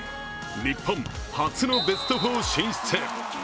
日本、初のベスト４進出！